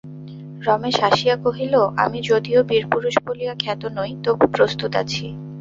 রমেশ হাসিয়া কহিল, আমি যদিও বীরপুরুষ বলিয়া খ্যাত নই, তবু প্রস্তুত আছি।